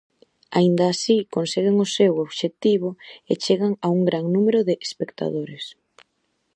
Aínda así conseguen o seu obxectivo e chegan a un gran número de espectadores.